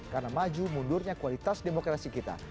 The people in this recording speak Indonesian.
karena maju mundurnya kualitas demokrasi kita